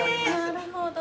なるほど。